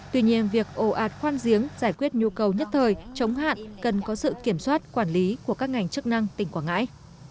tuy nhiên việc ồ ạt khoan giếng giải quyết nhu cầu nhất thời chống hạn cần có sự kiểm soát quản lý của các ngành chức năng tỉnh quảng ngãi